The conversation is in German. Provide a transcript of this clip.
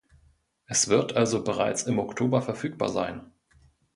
Es wird also bereits im Oktober verfügbar sein.